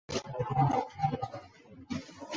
明太祖洪武十五年改为蒙光府。